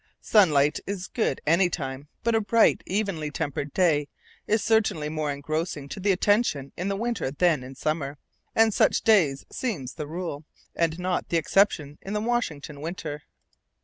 Sunlight is good any time, but a bright, evenly tempered day is certainly more engrossing to the attention in winter than in summer, and such days seem the rule, and not the exception, in the Washington winter.